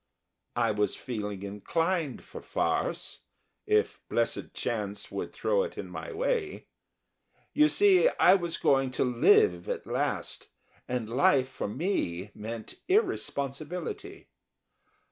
I was feeling inclined for farce, if blessed chance would throw it in my way. You see, I was going to live at last, and life for me meant irresponsibility.